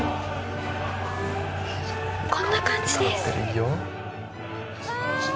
こんな感じです。